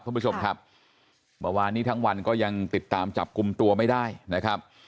คุณผู้ชมครับเมื่อวานนี้ทั้งวันก็ยังติดตามจับกลุ่มตัวไม่ได้นะครับ